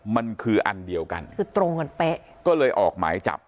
มันคืออันเดียวกันคือตรงกันเป๊ะก็เลยออกหมายจับ